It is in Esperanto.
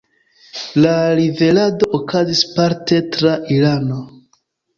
La liverado okazis parte tra Irano.